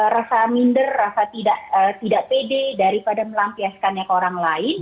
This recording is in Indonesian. rasa minder rasa tidak pede daripada melampiaskannya ke orang lain